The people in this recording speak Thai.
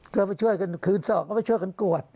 ก็ไปช่วยกันคืนสองก็ไปช่วยกันกวด